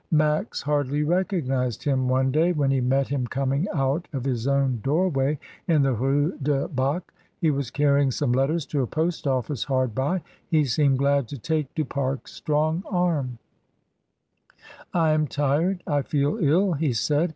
Max hardly recognised him one day when he met him coming out of his own doorway in the Rue du Bac. He was carrying some letters to a post office hard by; he seemed glad to take Du Fare's strong armu "I am tired; I feel ill," he said.